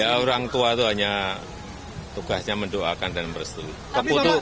ya orang tua itu hanya tugasnya mendoakan dan merestui